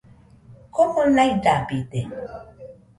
komo naidabide